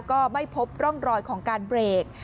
ก็ไม่พบร่องรอยของการเบรก